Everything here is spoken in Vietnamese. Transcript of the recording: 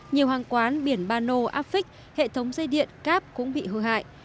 nhiều hàng quán biển bà nô áp phích hệ thống dây điện cáp cũng bị hư hại